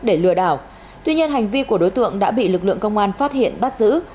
để lừa đảo tuy nhiên hành vi của đối tượng đã bị lực lượng công an phát hiện bắt giữ